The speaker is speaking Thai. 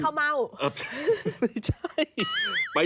เม่าไม่ใช่